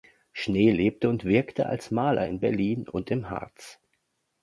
Schnee lebte und wirkte als Maler in Berlin und im Harz.